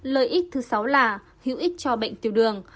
lợi ích thứ sáu là hữu ích cho bệnh tiểu đường